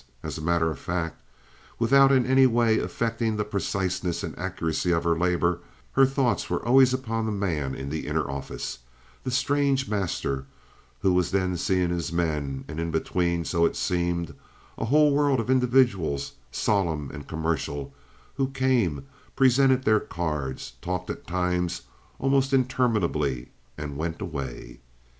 As a matter of fact, without in any way affecting the preciseness and accuracy of her labor, her thoughts were always upon the man in the inner office—the strange master who was then seeing his men, and in between, so it seemed, a whole world of individuals, solemn and commercial, who came, presented their cards, talked at times almost interminably, and went away.